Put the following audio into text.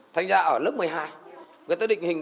thanh ra ở lớp một mươi hai người ta định hình